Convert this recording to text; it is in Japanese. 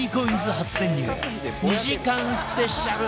初潜入２時間スペシャル